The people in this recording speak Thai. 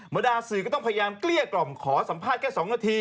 พยายามเกลี้ยกล่ออมขอสัมภาษณ์แค่๒นาที